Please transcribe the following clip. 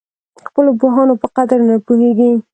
خپلو پوهانو په قدر نه پوهېږي.